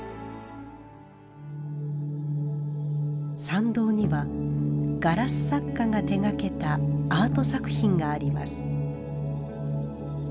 参道にはガラス作家が手がけたアート作品があります。